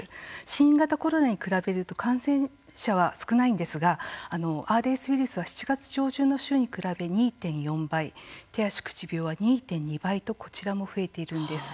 新型コロナに比べると感染者は少ないんですが、ＲＳウイルスは７月上旬の週に比べ２．４倍手足口病は２．２倍とこちらも増えているんです。